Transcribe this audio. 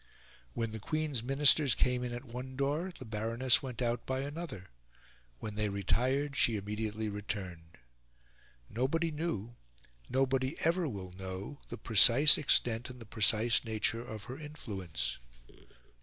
When the Queen's Ministers came in at one door, the Baroness went out by another; when they retired, she immediately returned. Nobody knew nobody ever will know the precise extent and the precise nature of her influence.